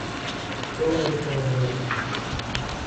Що воно рипнуло дверима?